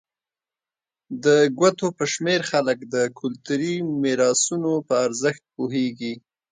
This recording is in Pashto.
د ګوتو په شمېر خلک د کلتوري میراثونو په ارزښت پوهېږي.